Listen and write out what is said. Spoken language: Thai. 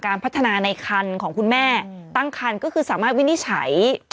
พัฒนาในคันของคุณแม่ตั้งคันก็คือสามารถวินิจฉัย